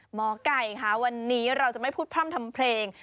หมอไก่ค่ะวันนี้เราจะไม่พูดพร่ำทำเพลง